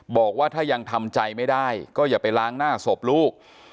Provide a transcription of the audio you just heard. บอกว่าถ้ายังทำใจไม่ได้ก็อย่าไปล้างหน้าศพลูก